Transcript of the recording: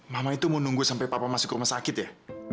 mama itu mau nunggu sampai papa masuk rumah sakit ya